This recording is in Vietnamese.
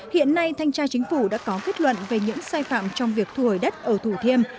hiện nay thanh tra chính phủ đã có kết luận về những sai phạm trong việc thu hồi đất ở thủ thiêm